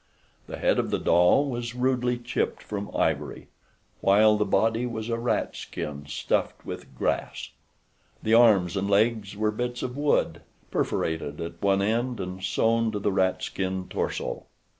The head of the doll was rudely chipped from ivory, while the body was a rat skin stuffed with grass. The arms and legs were bits of wood, perforated at one end and sewn to the rat skin torso.